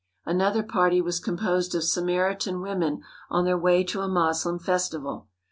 Another party was composed of Samaritan women on their way to a Moslem festival.